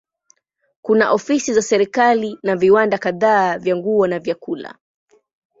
Kuna ofisi za serikali na viwanda kadhaa vya nguo na vyakula.